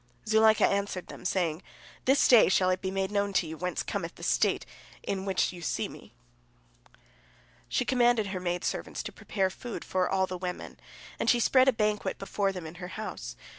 Zuleika answered them, saying, "This day shall it be made known unto you whence cometh the state wherein you see me." She commanded her maid servants to prepare food for all the women, and she spread a banquet before them in her house.